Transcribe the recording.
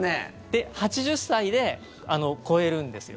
で、８０歳で超えるんですよ。